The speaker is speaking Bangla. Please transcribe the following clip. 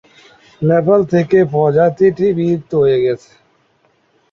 নেপাল থেকে প্রজাতিটি বিলুপ্ত হয়ে গেছে।